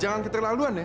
jangan keterlaluan ya